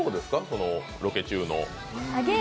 このロケ中の。